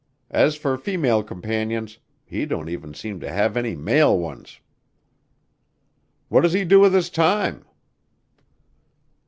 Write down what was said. As for female companions he don't even seem to have any male ones." "What does he do with his time?"